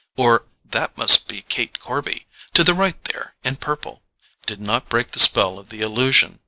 or: "That must be Kate Corby, to the right there, in purple"—did not break the spell of the illusion.